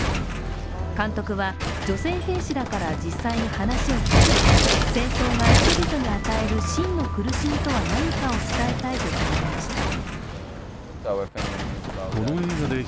監督は、女性兵士らから実際に話を聞き戦争が人々に与える真の苦しみとは何かを伝えたいと考えました。